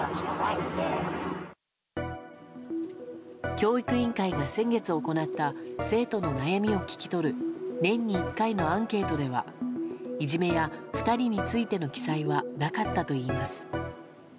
教育委員会が先月行った生徒の悩みを聞き取る年に１回のアンケートではいじめや２人についての記載はなかったといいます。